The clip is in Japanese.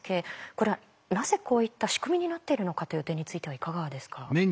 これはなぜこういった仕組みになっているのかという点についてはいかがですか？